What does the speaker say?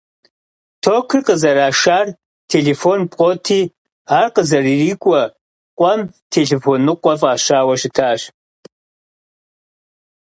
Токыр къызэрашар телефон пкъоти, ар къызэрырикӀуэ къуэм «Телефоныкъуэ» фӀащауэ щытащ.